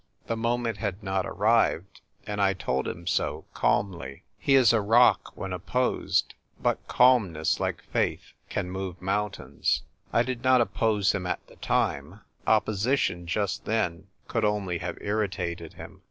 The moment had not arrived, and 1 told him so, cahnly. He is a rock when opposed ; but cahnness, like faith, can move mountains. I did not oppose him at the time ; opposition just then could only have irritated him.